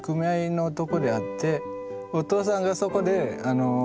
お父さんがそこであら！